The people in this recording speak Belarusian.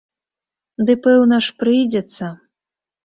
Ды пэўна ж, прыйдзецца.